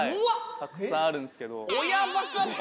たくさんあるんですけど。